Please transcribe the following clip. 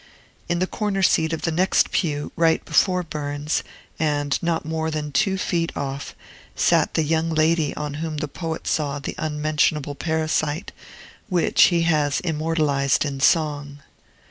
In the corner seat of the next pew, right before Burns, and not more than two feet off, sat the young lady on whom the poet saw that unmentionable parasite which he has immortalized in song.